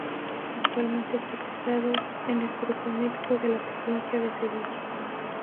Actualmente es diputado, en el Grupo Mixto por la provincia de Sevilla.